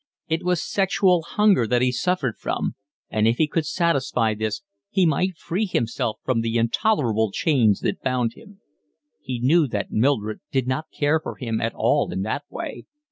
It was sexual hunger that he suffered from, and if he could satisfy this he might free himself from the intolerable chains that bound him. He knew that Mildred did not care for him at all in that way.